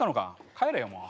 帰れよもう。